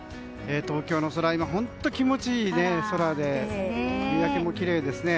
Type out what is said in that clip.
東京の空、本当に気持ちいい空で夕焼けもきれいですね。